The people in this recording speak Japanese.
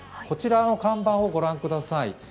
こちらの看板を御覧ください。